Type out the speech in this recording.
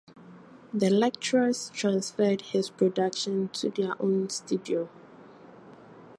The lecturers transferred his production to their own studio.